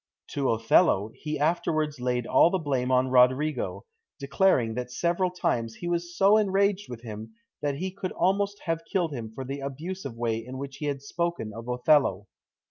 To Othello, he afterwards laid all the blame on Roderigo, declaring that several times he was so enraged with him that he could almost have killed him for the abusive way in which he had spoken of Othello.